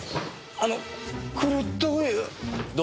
あのこれはどういう？